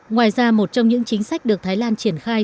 ngoài ra một trong những chính sách được thái lan triển khai